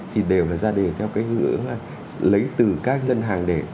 thì đều là ra đề theo cái hướng lấy từ các ngân hàng đề